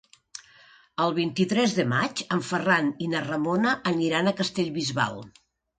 El vint-i-tres de maig en Ferran i na Ramona aniran a Castellbisbal.